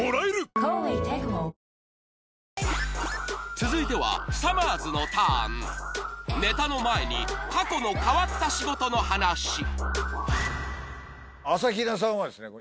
⁉続いてはさまぁずのターンネタの前に過去の変わった仕事の話朝比奈さんは。